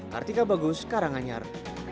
kartika bagus karanganyar